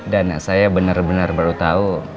dan saya bener bener baru tau